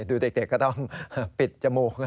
ดูเด็กก็ต้องปิดจมูก